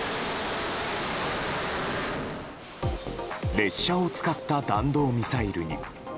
列車を使った弾道ミサイルに。